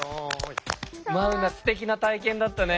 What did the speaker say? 眞生すてきな体験だったね。